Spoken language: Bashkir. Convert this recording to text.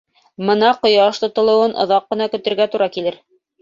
Мына ҡояш тотолоуын оҙаҡ ҡына көтөргә тура килер!